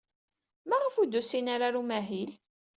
Maɣef ur d-usin ara ɣer umahil?